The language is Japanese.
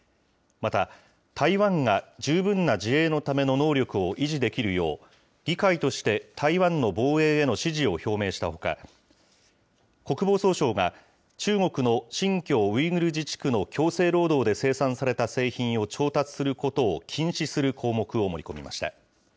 また、台湾が十分な自衛のための能力を維持できるよう、議会として台湾の防衛への支持を表明したほか、国防総省が中国の新疆ウイグル自治区の強制労働で生産された製品を調達することを禁止する項目を盛り込みました。